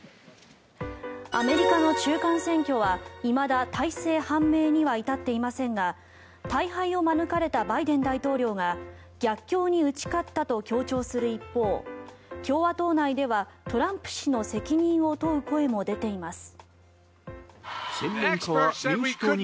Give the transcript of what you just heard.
アメリカの中間選挙はいまだ大勢判明には至っていませんが大敗を免れたバイデン大統領が逆境に打ち勝ったと強調する一方共和党内ではトランプ氏の責任を問う声も出ています。